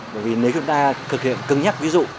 bởi vì nếu chúng ta thực hiện cứng nhắc ví dụ